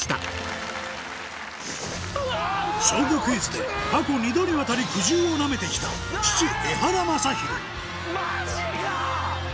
『小５クイズ』で過去２度にわたり苦汁をなめてきた父エハラマサヒロマジか！